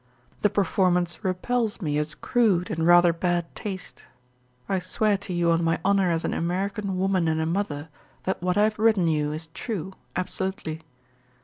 The performance repels me as crude and rather bad taste. I swear to you on my honor as an American woman and a mother that what I have written you is true, absolutely.